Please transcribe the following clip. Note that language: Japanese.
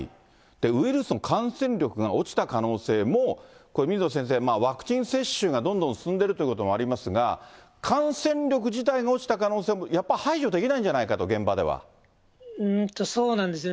ウイルスの感染力が落ちた可能性も、これ水野先生、ワクチン接種がどんどん進んでいるということもありますが、感染力自体が落ちた可能性もやっぱり、排除できないんじゃないかと、そうなんですよね。